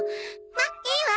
まっいいわ。